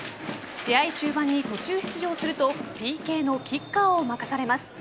試合終盤に途中出場するとＰＫのキッカーを任されます。